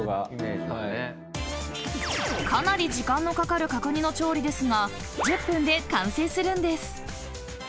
［かなり時間のかかる角煮の調理ですが１０分で完成するんです］